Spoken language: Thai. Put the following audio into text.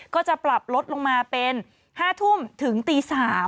ก็จะปรับลดลงมาเป็น๕ทุ่มถึงตี๓